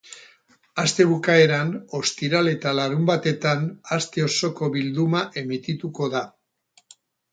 Aste bukaeran, ostiral eta larunbatetan, aste osoko bilduma emitituko da.